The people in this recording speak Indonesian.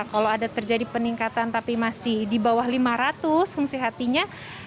kalau ada terjadi peningkatan tapi masih di bawah lima ratus fungsi hatinya